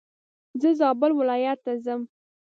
زه زابل ولايت ته ځم.